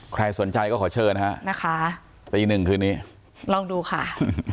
ใครสนใจก็ขอเชิญนะคะตี๑คือนี้ลองดูค่ะ